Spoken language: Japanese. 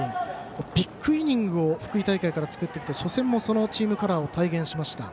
ビッグイニングを福井大会から作ってきて初戦はそのチームカラーを体現しました。